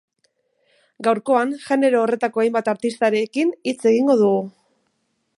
Gaurkoan genero horretako hainbat artistarekin hitz egingo dugu.